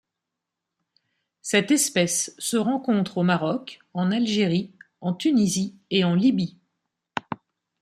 Cette espèce se rencontre au Maroc, en Algérie, en Tunisie et en Libye.